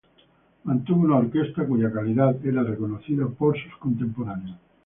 Mantuvo una orquesta cuya calidad era reconocida por sus contemporáneos.